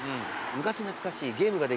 懐かしいゲーム？